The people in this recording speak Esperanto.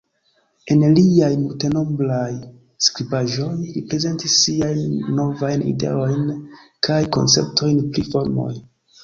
En liaj multenombraj skribaĵoj, li prezentis siajn novajn ideojn kaj konceptojn pri formoj.